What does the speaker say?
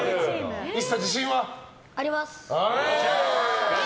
あります！